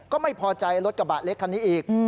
ก็ไม่พอใจรถกระบะเล็กคันนี้อีก